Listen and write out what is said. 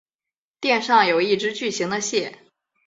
店上有一只巨型的蟹。